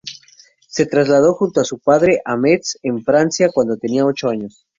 Se trasladó junto a su padre a Metz, en Francia, cuando tenía ocho años.